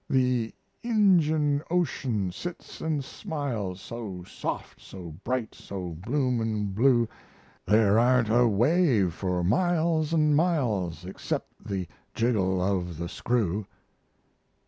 The Injian Ocean sits and smiles So sof', so bright, so bloomin' blue, There aren't a wave for miles an' miles Excep' the jiggle of the screw.